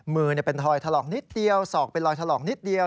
มือเป็นทอยถลอกนิดเดียวศอกเป็นรอยถลอกนิดเดียว